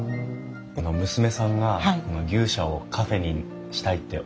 娘さんが牛舎をカフェにしたいっておっしゃった時。